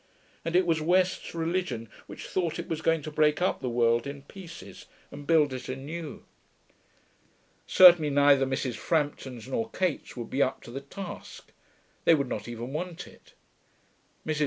And it was West's religion which thought it was going to break up the world in pieces and build it anew. Certainly neither Mrs. Frampton's nor Kate's would be up to the task; they would not even want it. Mrs.